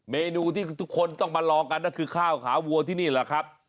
เมนูที่ทุกคนต้องมาลองกันก็คือข้าวขาวัวที่นี่แหละครับ